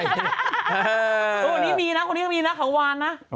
คนนี้มีนะคนนี้ก็มีนะเขาวานนะ